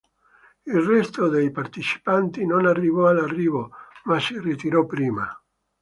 Il resto dei partecipanti non arrivò all'arrivo, ma si ritirò prima.